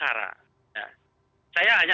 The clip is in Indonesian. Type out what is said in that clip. arti di keuntungan